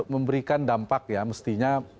memberikan dampak ya mestinya